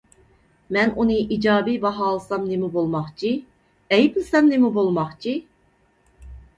مەن ئۇنى ئىجابىي باھالىسام نېمە بولماقچى، ئەيىبلىسەم نېمە بولماقچى؟